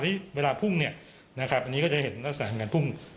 เวลาพุ่งเนี่ยนะครับอันนี้ก็จะเห็นลักษณะของการพุ่ง